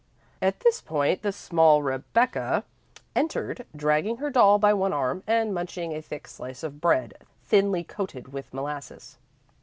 At this point the small Rebecca entered, dragging her doll by one arm, and munching a thick slice of bread, thinly coated with molasses.